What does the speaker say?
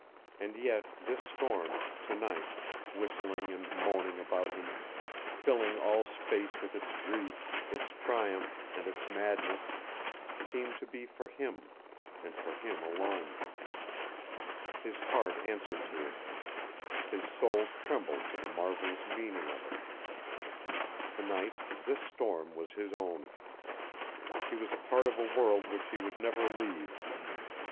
And yet this storm to night whistling and moaning about him, filling all space with its grief, its triumph, and its madness, seemed to be for him and for him alone. His heart answered to it. His soul trembled to the marvelous meaning of it. To night this storm was his own. He was a part of a world which he would never leave.